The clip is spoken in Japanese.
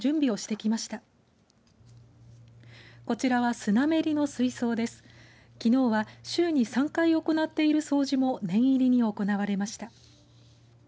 きのうは週に３回行っている掃除も念入りに行われました。